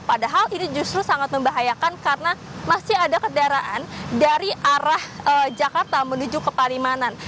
padahal ini justru sangat membahayakan karena masih ada kendaraan dari arah jakarta menuju ke parimanan